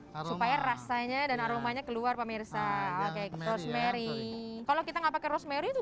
supaya rasanya dan aromanya keluar pemirsa rosemary kalau kita enggak pakai rosemary itu